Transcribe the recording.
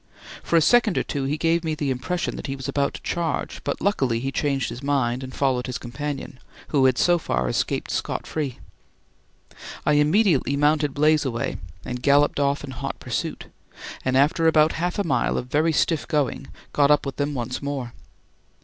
For a second or two he gave me the impression that he was about to charge; but luckily he changed his mind and followed his companion, who had so far escaped scot free. I immediately mounted "Blazeaway" and galloped off in hot pursuit, and after about half a mile of very stiff going got up with them once more.